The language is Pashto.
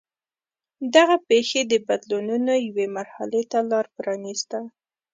دغه پېښې د بدلونونو یوې مرحلې ته لار پرانېسته.